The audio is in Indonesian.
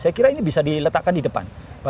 saya kira ini bisa diletakkan di depan